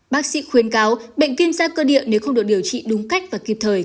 bác sĩ khuyên cáo bệnh kim da cơ địa nếu không được điều trị đúng cách và kịp thời